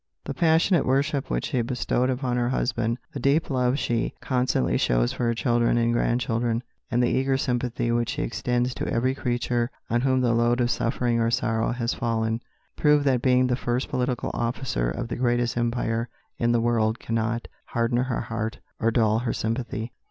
The passionate worship which she bestowed upon her husband, the deep love she constantly shows for her children and grandchildren, and the eager sympathy which she extends to every creature on whom the load of suffering or sorrow has fallen, prove that being the first political officer of the greatest empire in the world cannot harden her heart or dull her sympathy.